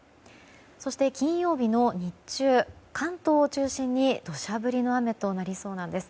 そして金曜日の日中関東を中心に土砂降りの雨となりそうです。